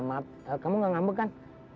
maaf maaf kamu nggak ngambek kan